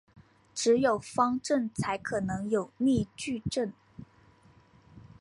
只有方阵才可能有逆矩阵。